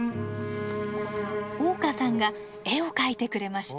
香さんが絵を描いてくれました。